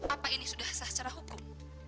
apa ini sudah sah secara hukum